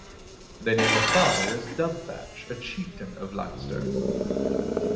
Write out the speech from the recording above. They name her father as Dubhthach, a chieftain of Leinster.